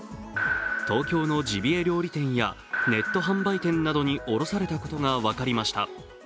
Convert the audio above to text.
東京のジビエ料理店やネット販売店などに卸されたことが分かりました。